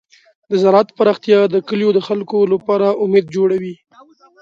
د زراعت پراختیا د کلیو د خلکو لپاره امید جوړوي.